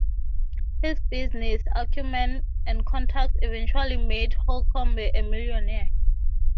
His business acumen and contacts eventually made Holcombe a millionaire.